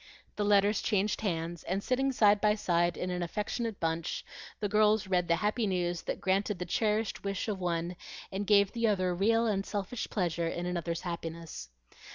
The letters changed hands; and sitting side by side in an affectionate bunch, the girls read the happy news that granted the cherished wish of one and gave the other real unselfish pleasure in another's happiness.